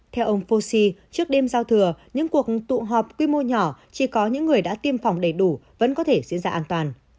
theo ông fosi trước đêm giao thừa những cuộc tụ họp quy mô nhỏ chỉ có những người đã tiêm phòng đầy đủ vẫn có thể diễn ra an toàn